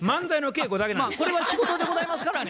これは仕事でございますからね。